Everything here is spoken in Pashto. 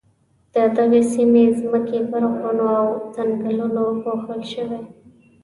د دغې سیمې ځمکې پر غرونو او ځنګلونو پوښل شوې.